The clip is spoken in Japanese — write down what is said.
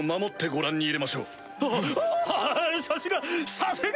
さすが！